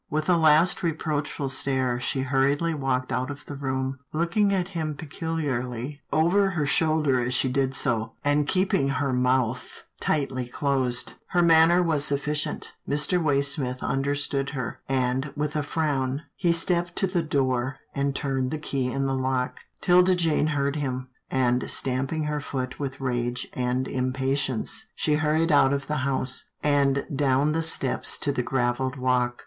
With a last reproachful stare, she hurriedly walked out of the room, looking at him peculiarly over her shoulder as she did so, and keeping her mouth tightly closed. Her manner was sufficient. Mr. Waysmith un derstood her, and, with a frown, he stepped to the door, and turned the key in the lock. 'Tilda Jane heard him, and stamping her foot with rage and impatience, she hurried out of the house, and down the steps to the gravelled walk.